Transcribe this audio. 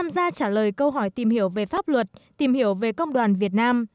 ra trả lời câu hỏi tìm hiểu về pháp luật tìm hiểu về công đoàn việt nam